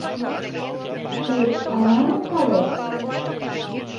— Тый ала-мом палет?